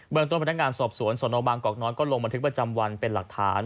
เมืองต้นพนักงานสอบสวนสนบางกอกน้อยก็ลงบันทึกประจำวันเป็นหลักฐาน